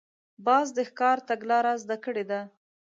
باز د ښکار تګلاره زده کړې ده